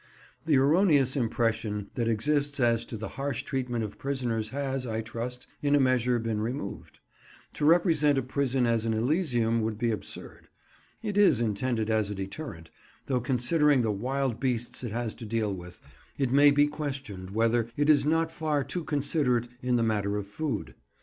The erroneous impression that exists as to the harsh treatment of prisoners has, I trust, in a measure been removed. To represent a prison as an elysium would be absurd. It is intended as a deterrent, though considering the wild beasts it has to deal with, it may be questioned whether it is not far too considerate in the matter of food.